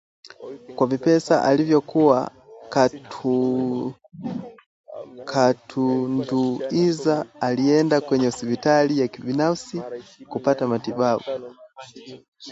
Kwa vipesa alivyokuwa katunduiza alienda kwenye hospitali ya kibinafsi kupata matibabu